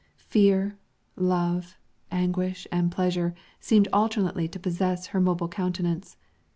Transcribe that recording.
Fear, love, anguish, and pleasure seemed alternately to possess her mobile countenance.